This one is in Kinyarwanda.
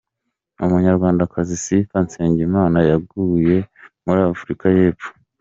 Umunyarwandakazi Sifa Nsengimana yaguye muri Afurika y’Epfo